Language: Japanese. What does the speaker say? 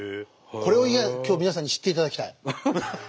これを今日皆さんに知っていただきたい。